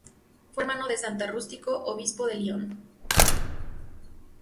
Fue hermano de San Rústico, obispo de Lyon.